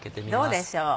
どうでしょう。